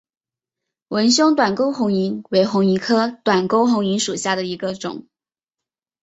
纹胸短沟红萤为红萤科短沟红萤属下的一个种。